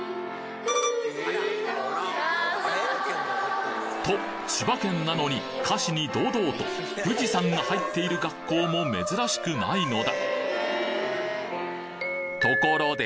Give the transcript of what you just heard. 富士の山と千葉県なのに歌詞に堂々と富士山が入っている学校も珍しくないのだ